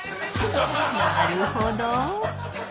［なるほど］